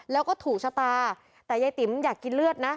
แล้วก็ถูกชะตาแต่ยายติ๋มอยากกินเลือดนะ